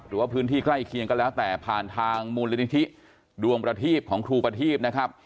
หรือว่าพื้นที่ใกล้เคียงก็แล้วแต่ผ่านทางมูลนิธิดวงประทีบของครูประทีพนะครับ